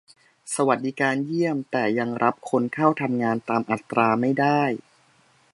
สวัสดิการเยี่ยม แต่ยังรับคนเข้าทำงานตามอัตราไม่ได้